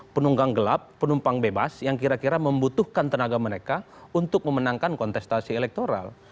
penunggang gelap penumpang bebas yang kira kira membutuhkan tenaga mereka untuk memenangkan kontestasi elektoral